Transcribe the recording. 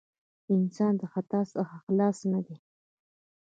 انسان د خطاء څخه خلاص نه دی.